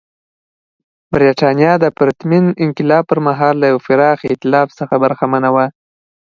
برېټانیا د پرتمین انقلاب پر مهال له یوه پراخ اېتلاف څخه برخمنه وه.